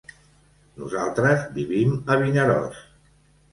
Nosaltres vivim a Vinaròs.